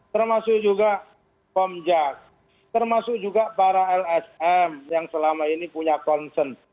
termasuk juga komjak termasuk juga para lsm yang selama ini punya concern